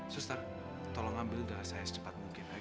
sustan tolong ambil darah saya secepat mungkin ayo